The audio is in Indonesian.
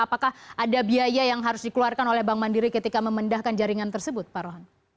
apakah ada biaya yang harus dikeluarkan oleh bank mandiri ketika memindahkan jaringan tersebut pak rohan